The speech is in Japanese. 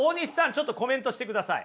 ちょっとコメントしてください。